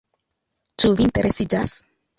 Ĉu vi interesiĝas?